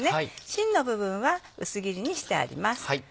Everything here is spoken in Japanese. しんの部分は薄切りにしてあります。